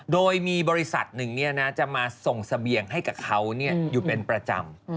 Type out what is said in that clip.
โดยมีบริษัทหนึ่งจะมาส่งเสบียงให้กับเขาอยู่เป็นประจำ